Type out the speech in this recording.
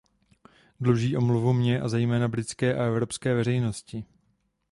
Dluží omluvu mně a zejména britské a evropské veřejnosti.